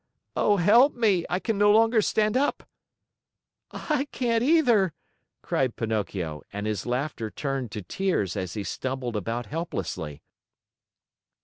"Oh, help me! I can no longer stand up." "I can't either," cried Pinocchio; and his laughter turned to tears as he stumbled about helplessly.